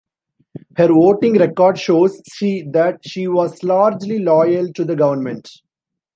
Her voting record shows she that she was largely loyal to the government.